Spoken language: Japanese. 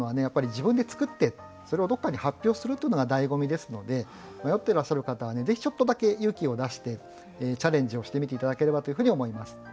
やっぱり自分で作ってそれをどっかに発表するというのがだいご味ですので迷ってらっしゃる方はぜひちょっとだけ勇気を出してチャレンジをしてみて頂ければというふうに思います。